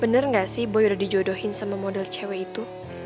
bener gak sih boyo dijodohin sama model cewek itu